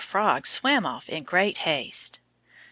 Frog swam off in great haste.